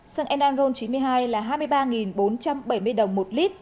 xăng enan ron chín mươi hai là hai mươi ba bốn trăm bảy mươi đồng một lít